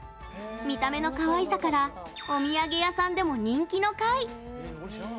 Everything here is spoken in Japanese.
見た目のかわいさからおみやげ屋さんでも人気の貝！